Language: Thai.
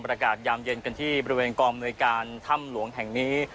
ระกาศยามเย็นกันที่บริเวณกองบริการถ้ำหลวงแห่งนี้